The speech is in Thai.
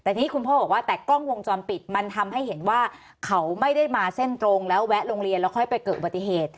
แต่ทีนี้คุณพ่อบอกว่าแต่กล้องวงจรปิดมันทำให้เห็นว่าเขาไม่ได้มาเส้นตรงแล้วแวะโรงเรียนแล้วค่อยไปเกิดอุบัติเหตุ